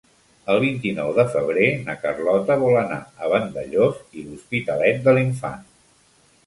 El vint-i-nou de febrer na Carlota vol anar a Vandellòs i l'Hospitalet de l'Infant.